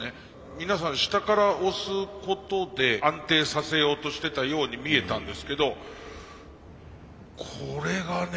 皆さん下から押すことで安定させようとしてたように見えたんですけどこれがね